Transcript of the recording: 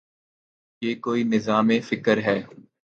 یہ کوئی نظام فکر ہے۔